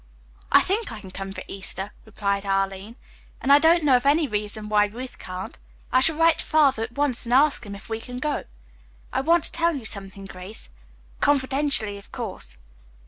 "I think I can come for Easter," replied Arline, "and I don't know of any reason why Ruth can't. I shall write to Father at once and ask him if we can go. I want to tell you something, Grace confidentially, of course.